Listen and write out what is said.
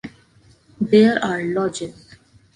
There are lodges.